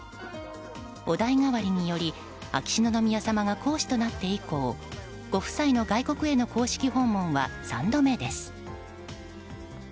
お代替わりにより秋篠宮さまが皇嗣となって以降ご夫妻の外国への公式訪問は３度目です。